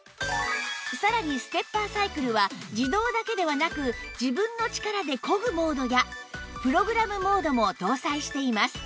さらにステッパーサイクルは自動だけではなく自分の力で漕ぐモードやプログラムモードも搭載しています